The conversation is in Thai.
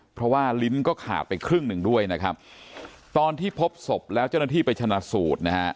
เพราะว่าลิ้นก็ขาดไปครึ่งหนึ่งด้วยนะครับตอนที่พบศพแล้วเจ้าหน้าที่ไปชนะสูตรนะฮะ